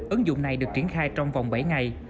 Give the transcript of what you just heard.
ứng dụng này được triển khai trong vòng bảy ngày